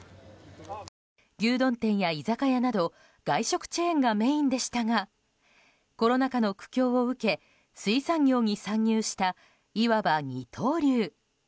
牛丼店や居酒屋など外食チェーンがメインでしたがコロナ禍の苦境を受け水産業に参入したいわば二刀流。